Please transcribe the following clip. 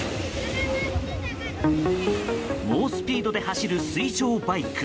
猛スピードで走る水上バイク。